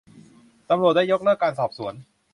ตำรวจได้ยกเลิกการสอบสวน